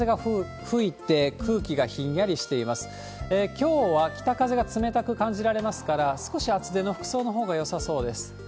きょうは北風が冷たく感じられますから、少し厚手の服装のほうがよさそうです。